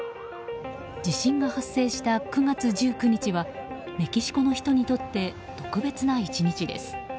地震が発生した９月１９日はメキシコの人にとって特別な１日です。